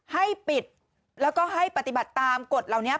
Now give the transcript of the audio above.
ให้ปิดแล้วก็ให้ปฏิบัติตามกฎเหล่านี้